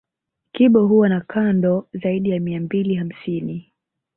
Kibo huwa na kando zaidi ya mia mbili hamsini